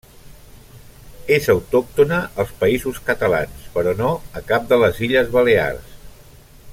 És autòctona als Països Catalans però no a cap de les Illes Balears.